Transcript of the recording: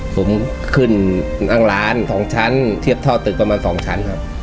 ผมขึ้นนั่งร้าน๒ชั้นเทียบท่อตึกประมาณ๒ชั้นครับ